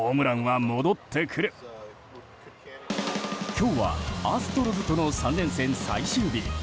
今日はアストロズとの３連戦最終日。